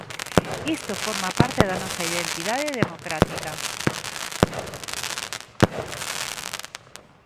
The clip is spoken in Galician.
Isto forma parte da nosa identidade democrática.